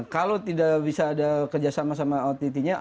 kalau tidak bisa ada kerjasama sama ott nya